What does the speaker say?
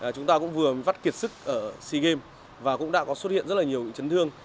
chúng ta cũng vừa vắt kiệt sức ở sea games và cũng đã có xuất hiện rất là nhiều bị chấn thương